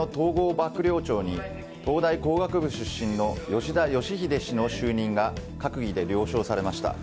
幕僚長に東大工学部出身の吉田圭秀氏の就任が閣議で承認されました。